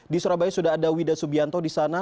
di surabaya sudah ada wida subianto di sana